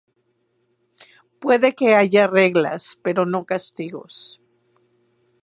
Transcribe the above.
Puede que haya reglas pero no castigos.